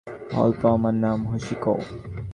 অল্প আমার নাম হশিকো।